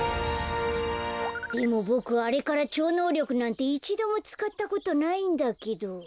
でもボクあれからちょうのうりょくなんていちどもつかったことないんだけど。